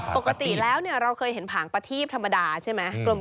ปกติแล้วเราเคยเห็นผางประทีบธรรมดาใช่ไหม